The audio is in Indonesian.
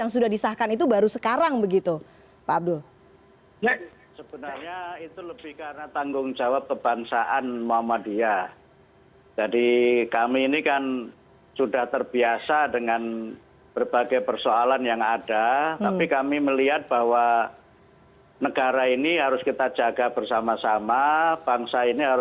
selain itu presiden judicial review ke mahkamah konstitusi juga masih menjadi pilihan pp muhammadiyah